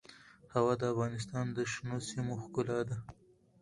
هوا د افغانستان د شنو سیمو ښکلا ده.